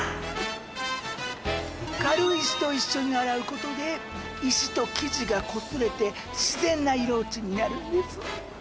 軽石と一緒に洗うことで石と生地がこすれて自然な色落ちになるんです。